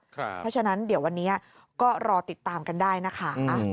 เพราะฉะนั้นเดี๋ยววันนี้ก็รอติดตามกันได้นะคะ